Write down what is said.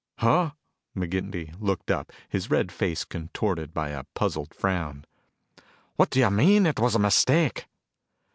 "Huh?" McGinty looked up, his red face contorted by a puzzled frown. "What do you mean, it was a mistake?"